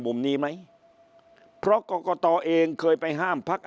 มุมนี้ไหมเพราะกรกตเองเคยไปห้ามพัก